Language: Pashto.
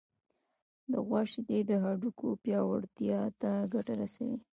د غوا شیدې د هډوکو پیاوړتیا ته ګټه رسوي.